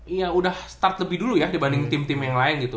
iya udah start lebih dulu ya dibanding tim tim yang lain gitu